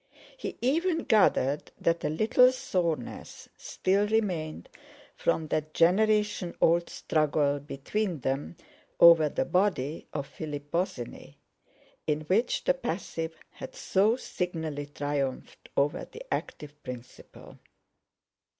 He even gathered that a little soreness still remained from that generation old struggle between them over the body of Philip Bosinney, in which the passive had so signally triumphed over the active principle.